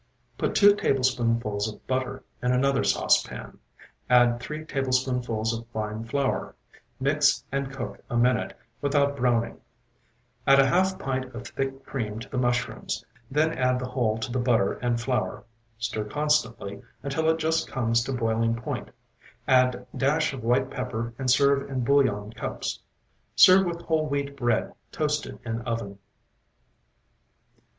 Put two tablespoonfuls of butter in another saucepan, add three tablespoonfuls of fine flour, mix and cook a minute without browning; add a half pint of thick cream to the mushrooms, then add the whole to the butter and flour, stir constantly until it just comes to boiling point; add dash of white pepper and serve in bouillon cups. Serve with whole wheat bread toasted in oven.